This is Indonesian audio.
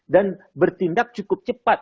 dan bertindak cukup cepat